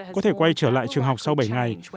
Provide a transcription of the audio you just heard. có thể quay trở lại trường học sau bảy ngày